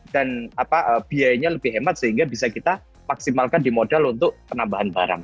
dan biayanya lebih hemat sehingga bisa kita maksimalkan di modal untuk penambahan barang